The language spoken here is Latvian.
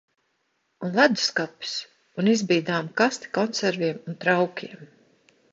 Un ledusskapis, un izbīdāma kaste konserviem un traukiem...